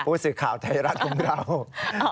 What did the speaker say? ผู้สื่อข่าวไทยรัฐของเรา